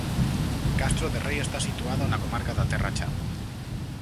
Castro de Rei está situado na comarca da Terra Chá.